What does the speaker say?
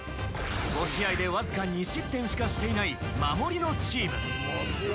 ５試合でわずか２失点しかしていない守りのチーム。